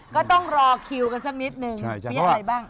ก็ต้องรอคิวกันสักนิดนึง